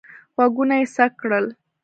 غوږونه یې څک کړل.